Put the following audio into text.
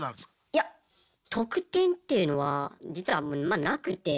いや特典っていうのは実はあんまなくて。